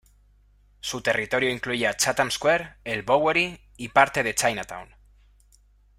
Su territorio incluía Chatham Square, el Bowery y parte de Chinatown.